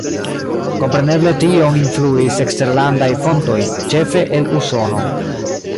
Kompreneble tion influis eksterlandaj fontoj, ĉefe el Usono.